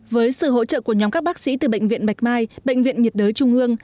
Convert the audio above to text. với sự hỗ trợ của nhóm các bác sĩ từ bệnh viện bạch mai bệnh viện nhiệt đới trung ương